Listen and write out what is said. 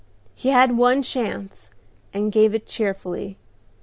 He had one chance and gave it cheerfully.